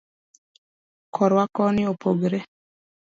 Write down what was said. korwa koni opogre